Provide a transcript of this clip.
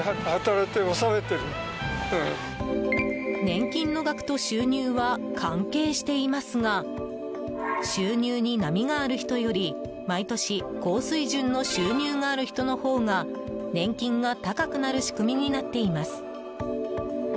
年金の額と収入は関係していますが収入に波がある人より毎年高水準の収入がある人の方が年金が高くなる仕組みになっています。